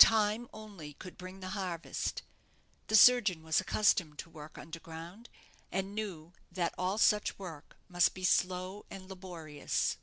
Time only could bring the harvest. The surgeon was accustomed to work underground, and knew that all such work must be slow and laborious.